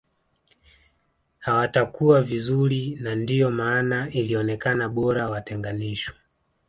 Hawatakua vizuri na ndio maana ilionekana bora watenganishwe